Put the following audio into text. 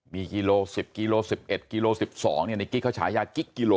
มีกกกกกกกกกกกกกก